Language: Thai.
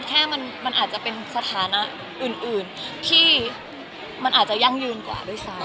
แค่มันอาจจะเป็นสถานะอื่นที่มันอาจจะยั่งยืนกว่าด้วยซ้ำ